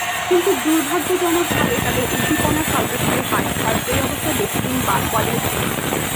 কিন্তু দুর্ভাগ্যজনকভাবে তাদের উদ্দীপনা স্বল্পস্থায়ী হয়, কারণ এ অবস্থা বেশিদিন বজায় ছিল না।